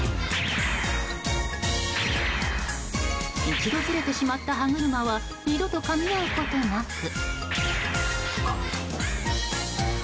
一度ずれてしまった歯車は二度とかみ合うことなく。